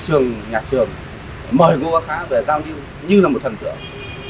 có những nhà trường mời ngô ba khá về giao điêu như là một thần tượng